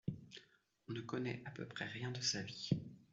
On ne connaît à peu près rien de sa vie.